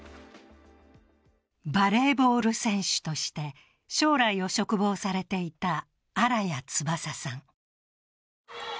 バレーボール選手として将来を嘱望されていた新谷翼さん。